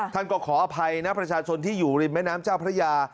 ท่านก็ขออภัยนะประชาชนที่อยู่ริมแม่น้ำเจ้าพระยา